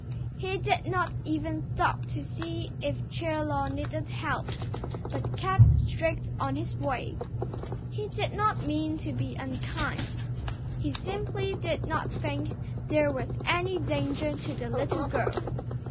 He did not even stop to see if Chie Lo needed help, but kept straight on his way. He did not mean to be unkind. He simply did not think there was any danger to the little girl.